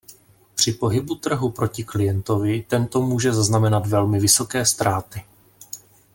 Při pohybu trhu proti klientovi tento může zaznamenat velmi vysoké ztráty.